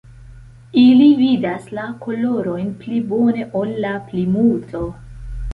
Ili vidas la kolorojn pli bone ol la plimulto.